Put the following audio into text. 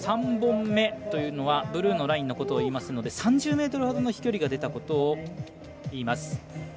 ３本目というのはブルーのラインのことをいいますので３０ｍほどの飛距離が出たことをいいます。